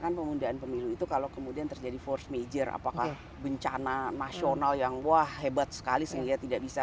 karena penundaan pemilu itu kalau kemudian terjadi force major apakah bencana nasional yang wah hebat sekali sehingga tidak bisa